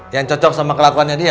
yang cocok sama kelakuannya dia